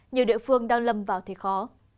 nhiều địa phương đang lầm vào thế khó